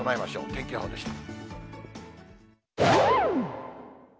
天気予報でした。